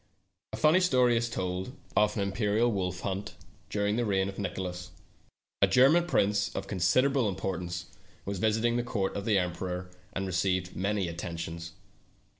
A funny story is told of an imperial wolf hunt during the reign of Nicholas. 152 THE TALKING HANDKERCHIEF. A German prince of considerable importance was visiting the court of the emperor, and received many attentions.